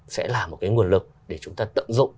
sẽ là một cái nguồn lực để chúng ta tận dụng